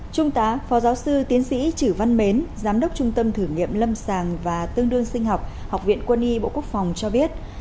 trung tá phó giáo sư tiến sĩ chử văn mến giám đốc trung tâm thử nghiệm lâm sàng và tương đương sinh học học viện quân y bộ quốc phòng cho biết